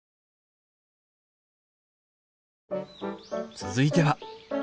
続いては。